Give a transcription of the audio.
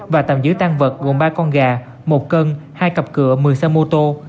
và tạm giữ tan vật gồm ba con gà một cân hai cặp cửa một mươi xe mô tô